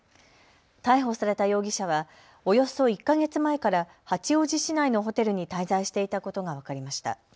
逮捕された容疑者はおよそ１か月前から八王子市内のホテルに滞在していたことが分かりました。